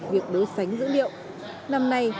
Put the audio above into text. việc đối sánh dữ liệu năm nay